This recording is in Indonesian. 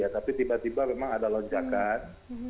tapi tiba tiba memang ada lonjakan